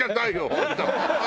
本当。